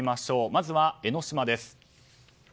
まずは江の島です。